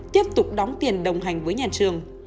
tiếp tục đóng tiền đồng hành với nhà trường